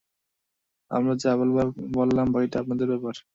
আমার যা বলবার বললাম, বাকিটা আপনাদের ব্যাপার।